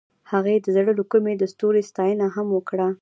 هغې د زړه له کومې د ستوري ستاینه هم وکړه.